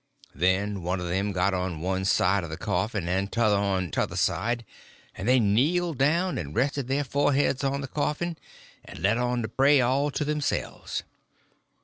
Then one of them got on one side of the coffin, and t'other on t'other side, and they kneeled down and rested their foreheads on the coffin, and let on to pray all to themselves.